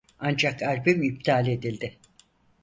Ancak albüm iptal edildi.